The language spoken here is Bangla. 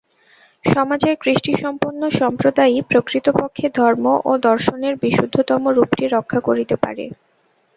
সমাজের কৃষ্টিসম্পন্ন সম্প্রদায়ই প্রকৃতপক্ষে ধর্ম ও দর্শনের বিশুদ্ধতম রূপটি রক্ষা করিতে পারে।